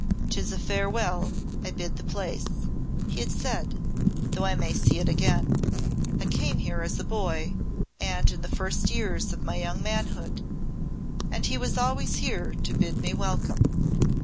"'Tis a farewell I bid the place," he had said, "though I may see it again. I came here as a boy, and in the first years of my young manhood, and he was always here to bid me welcome.